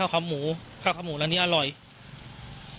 แล้วก็ได้คุยกับนายวิรพันธ์สามีของผู้ตายที่ว่าโดนกระสุนเฉียวริมฝีปากไปนะคะ